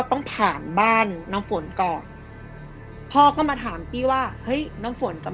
ต้องผ่านบ้านน้ำฝนก่อนพ่อก็มาถามพี่ว่าเฮ้ยน้ำฝนกับ